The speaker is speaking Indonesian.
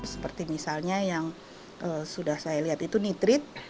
seperti misalnya yang sudah saya lihat itu nitrit